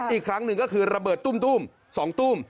อีกครั้งหนึ่งก็คือระเบิดตุ้ม๒ตุ้ม